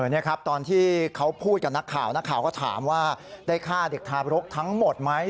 นี่ครับตอนที่เขาพูดกับนักข่าวนักข่าวก็ถามว่าได้ฆ่าเด็กทารกทั้งหมดไหม